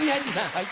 はい。